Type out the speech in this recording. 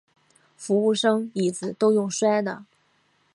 服务生椅子都用摔的